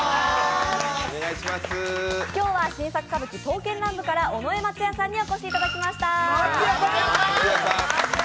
今日は新作歌舞伎「刀剣乱舞」から尾上松也さんにお越しいただきました。